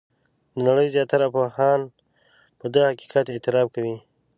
د نړۍ زیاتره پوهان په دغه حقیقت اعتراف کوي.